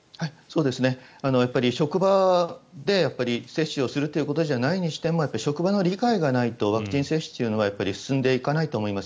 職場で接種をするということじゃないにしても職場の理解がないとワクチン接種というのは進んでいかないと思います。